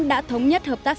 đã thống nhất hợp tác xây dựng